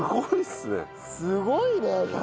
すごいね。